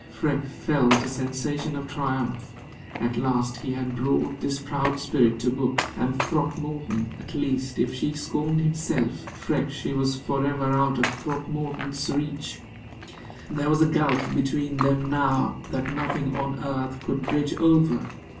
Freke felt a sensation of triumph. At last he had brought this proud spirit to book; and Throckmorton at least if she scorned himself, Freke she was forever out of Throckmorton's reach. There was a gulf between them now that nothing on earth could bridge over.